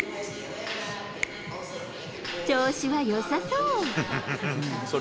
調子はよさそう。